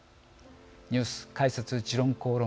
ニュース解説「時論公論」